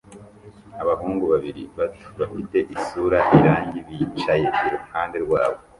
Abahungu babiri bato bafite isura irangi bicaye iruhande rwabo